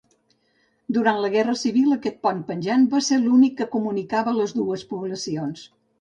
Durant la Guerra Civil aquest pont penjant va ser l'únic que comunicava les dues poblacions.